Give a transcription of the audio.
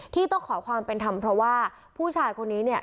ที่ต้องขอความเป็นธรรมเพราะว่าผู้ชายคนนี้เนี่ย